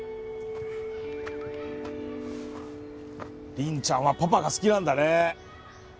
凛ちゃんはパパが好きなんだね。